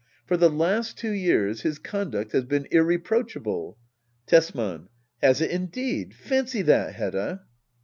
For the last two years his conduct has been irreproachable. Tesman. Has it indeed ? Fancy that, Hedda